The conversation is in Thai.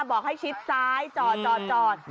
บอกให้ชิดซ้ายจอดจอดจอด